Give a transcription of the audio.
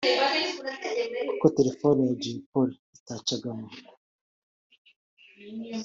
Kuko telefoni ya Jay Polly itacagamo